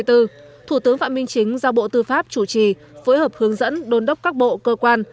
thủ tướng phạm minh chính giao bộ tư pháp chủ trì phối hợp hướng dẫn đôn đốc các bộ cơ quan